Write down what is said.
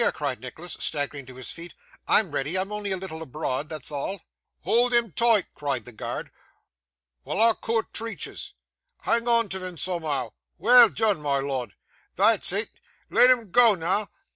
cried Nicholas, staggering to his feet, 'I'm ready. I'm only a little abroad, that's all.' 'Hoold 'em toight,' cried the guard, 'while ar coot treaces. Hang on tiv'em sumhoo. Well deane, my lod. That's it. Let'em goa noo.